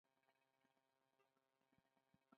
یو له دوی څخه چارزانو کښېنستی.